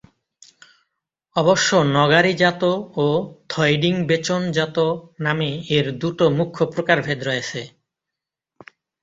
অবশ্য নগারি-জাত ও থইডিং-বেচন-জাত নামে এর দুটো মুখ্য প্রকারভেদ রয়েছে।